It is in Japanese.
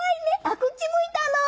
「あっこっち向いたの？」